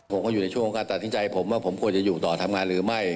ผมก็อยู่ในช่วงการตัดสินใจผมว่าผมควรจะอยู่ต่อทำงานหรือไม่